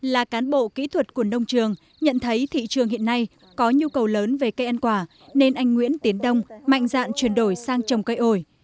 là cán bộ kỹ thuật của nông trường nhận thấy thị trường hiện nay có nhu cầu lớn về cây ăn quả nên anh nguyễn tiến đông mạnh dạn chuyển đổi sang trồng cây ổi